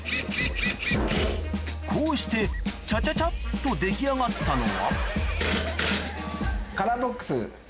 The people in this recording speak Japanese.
こうしてチャチャチャっと出来上がったのはカラーボックス。